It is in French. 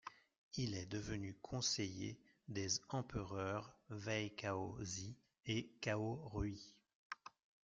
Il est devenu conseiller des empereurs Wei Cao Zhi et Cao Rui.